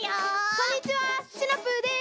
こんにちはシナプーです。